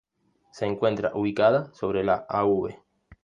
Se encuentra ubicada sobre la Av.